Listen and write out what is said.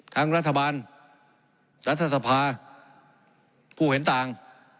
ทั้งรัฐบาลรัฐศาสภาผู้เห็นต่าง